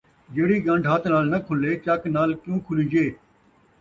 جیڑھی ڳن٘ڈھ ہتھ نال کھُلے ، چک نال کیوں کھُلیجے